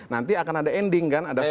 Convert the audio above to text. nanti akan ada ending kan ada finish